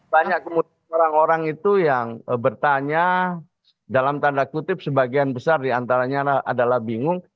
banyak kemudian orang orang itu yang bertanya dalam tanda kutip sebagian besar diantaranya adalah bingung